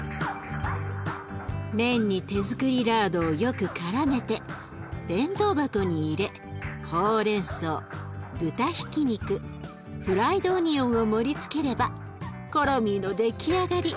麺に手づくりラードをよくからめて弁当箱に入れほうれんそう豚ひき肉フライドオニオンを盛りつければコロミーの出来上がり。